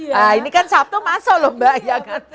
nah ini kan sabtu masuk loh mbak ya kan